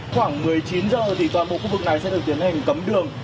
khoảng một mươi chín giờ thì toàn bộ khu vực này sẽ được tiến hành cấm đường